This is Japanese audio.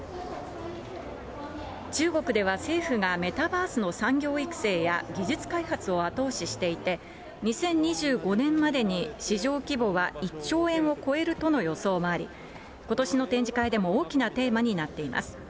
中国では政府がメタバースの産業育成や技術開発を後押ししていて、２０２５年までに市場規模は１兆円を超えるとの予想もあり、ことしの展示会でも大きなテーマになっています。